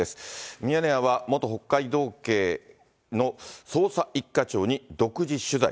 ミヤネ屋は元北海道警の捜査１課長に独自取材。